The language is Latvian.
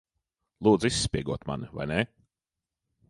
Lūdza izspiegot mani, vai ne?